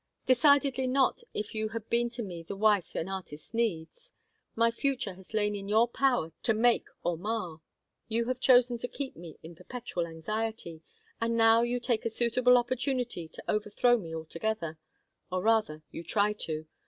Decidedly not, if you had been to me the wife an artist needs. My future has lain in your power to make or mar. You have chosen to keep me in perpetual anxiety, and now you take a suitable opportunity to overthrow me altogether; or rather, you try to.